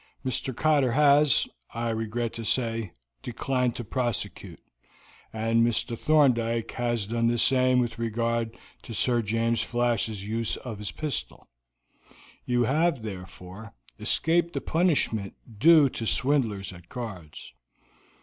"Mr. Cotter has, I regret to say, declined to prosecute, and Mr. Thorndyke has done the same with regard to Sir James Flash's use of his pistol. You have, therefore, escaped the punishment due to swindlers at cards.